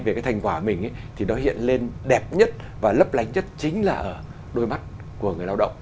về cái thành quả mình thì nó hiện lên đẹp nhất và lấp lánh nhất chính là ở đôi mắt của người lao động